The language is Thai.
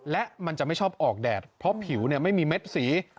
และมันจะไม่ชอบออกแดดเพราะผิวไม่มีเม็ดสี